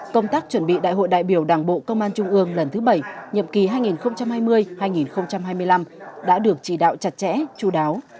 công tác chuẩn bị đại hội đại biểu đảng bộ công an trung ương lần thứ bảy nhiệm kỳ hai nghìn hai mươi hai nghìn hai mươi năm đã được chỉ đạo chặt chẽ chú đáo